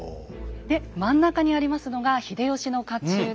で真ん中にありますのが秀吉の甲冑ですね。